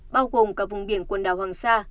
bao gồm cả vùng biển quần đảo hoàng sa